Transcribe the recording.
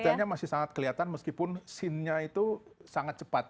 detailnya masih sangat kelihatan meskipun scene nya itu sangat cepat